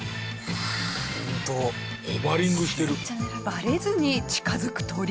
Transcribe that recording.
バレずに近づく鳥。